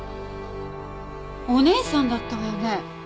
お姉さんだったわよね？